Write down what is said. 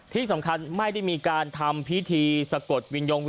ที่สำคัญไม่ได้มีการทำพิธีสะกดวินยง